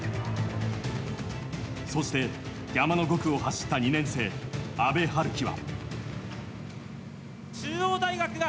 そして、山の５区を走った２年生、阿部陽樹は。